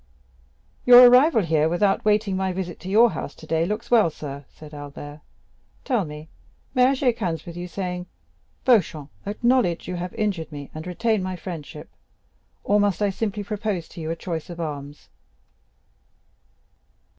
"Your arrival here, without waiting my visit at your house today, looks well, sir," said Albert. "Tell me, may I shake hands with you, saying, 'Beauchamp, acknowledge you have injured me, and retain my friendship,' or must I simply propose to you a choice of arms?"